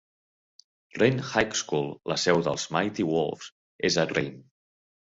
Rayne High School, la seu dels Mighty Wolves, és a Rayne.